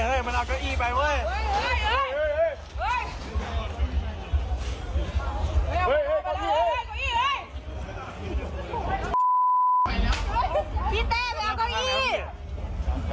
เฮ้ยเฮ้ยก้อยอีกนะ